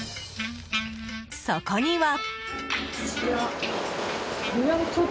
そこには。